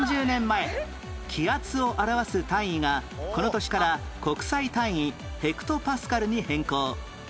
３０年前気圧を表す単位がこの年から国際単位ヘクトパスカルに変更